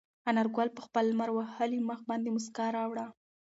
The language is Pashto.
انارګل په خپل لمر وهلي مخ باندې موسکا راوړه.